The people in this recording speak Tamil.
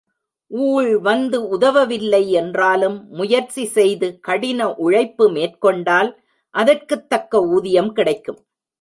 ஊழ் வந்து உதவவில்லை என்றாலும் முயற்சி செய்து கடின உழைப்பு மேற்கொண்டால் அதற்குத் தக்க ஊதியம் கிடைக்கும்.